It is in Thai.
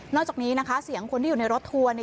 จากนี้นะคะเสียงคนที่อยู่ในรถทัวร์